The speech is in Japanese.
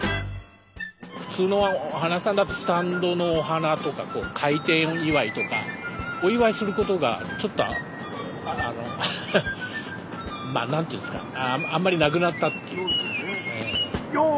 普通のお花屋さんだとスタンドのお花とか開店祝とかお祝いすることがちょっとあの何て言うんですかあんまりなくなったっていうか。